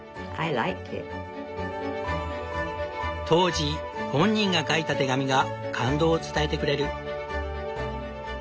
当時本人が書いた手紙が感動を伝えてくれる。